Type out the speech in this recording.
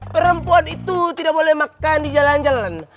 perempuan itu tidak boleh makan di jalan jalan